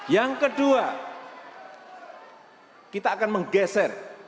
yang kedua kita akan menggeser